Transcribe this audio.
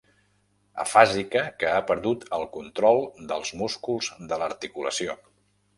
Afàsica que ha perdut el control dels músculs de l'articulació.